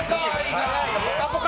「ぽかぽか」